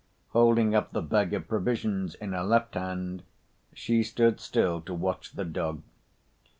Holding up the bag of provisions in her left hand she stood still to watch the dog.